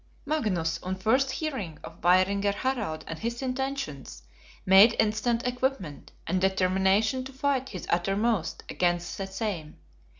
Magnus, on first hearing of Vaeringer Harald and his intentions, made instant equipment, and determination to fight his uttermost against the same.